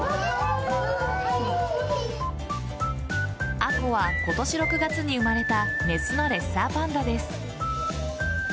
杏香は、今年６月に生まれたメスのレッサーパンダです。